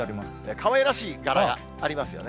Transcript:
かわいらしい柄がありますよね。